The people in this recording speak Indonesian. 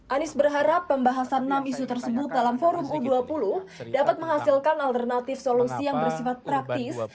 anies berharap pembahasan enam isu tersebut dalam forum u dua puluh dapat menghasilkan alternatif solusi yang bersifat praktis